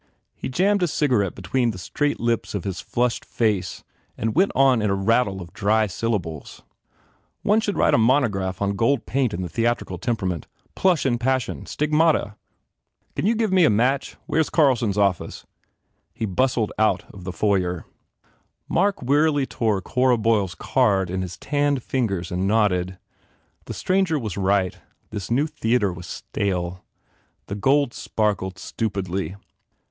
He jammed a cigarette between the straight lips of his flushed face and went on in a rattle of dry syllables. "Some one should write a monograph on gold paint and the theatrical temperament. Plush and passion. Stigmata. ... Sous un balcon dore. ... Can you give me a match? ... Where s Carlson s office ?" He bustled out of the foyer. Mark wearily tore Cora Boyle s card in his tanned fingers and nodded. The stranger was right. This new theatre was stale. The gold sparkled stupidly.